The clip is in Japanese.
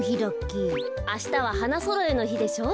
あしたは花そろえのひでしょう。